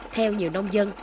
theo nhiều nông dân